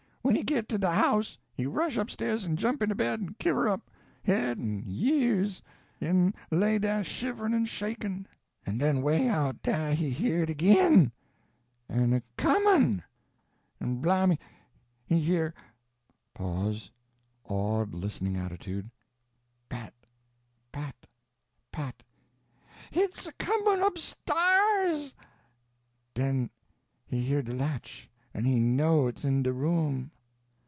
When he git to de house he rush upstairs en jump in de bed en kiver up, head and years, en lay da shiverin' en shakin' en den way out dah he hear it agin! en a comin'! En bimeby he hear (pause awed, listening attitude) pat pat pat Hit's a comin' upstairs! Den he hear de latch, en he _know _it's in de room!